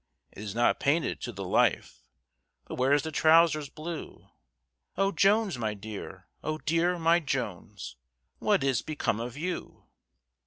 "It is not painted to the life, For where's the trowsers blue? Oh Jones, my dear! Oh dear! my Jones, What is become of you?"